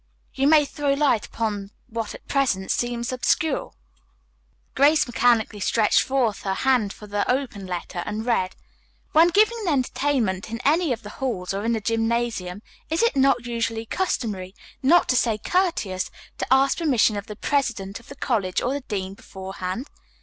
You may throw light upon what at present seems obscure." Grace mechanically stretched forth her hand for the open letter and read: "When giving an entertainment in any of the halls or in the gymnasium, is it not usually customary, not to say courteous, to ask permission of the president of the college or the dean beforehand?